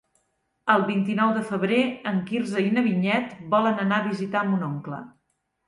El vint-i-nou de febrer en Quirze i na Vinyet volen anar a visitar mon oncle.